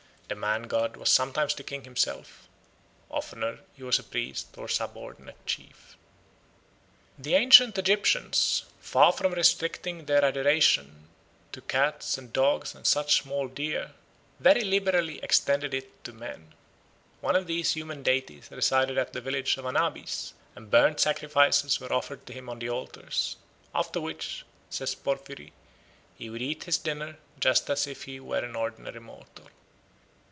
The man god was sometimes the king himself; oftener he was a priest or subordinate chief. The ancient Egyptians, far from restricting their adoration to cats and dogs and such small deer, very liberally extended it to men. One of these human deities resided at the village of Anabis, and burnt sacrifices were offered to him on the altars; after which, says Porphyry, he would eat his dinner just as if he were an ordinary mortal.